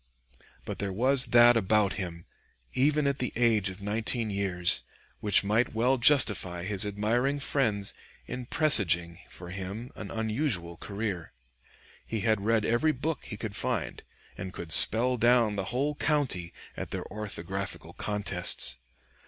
But there was that about him, even at the age of nineteen years, which might well justify his admiring friends in presaging for him an unusual career. He had read every book he could find, and could "spell down" the whole county at their orthographical contests.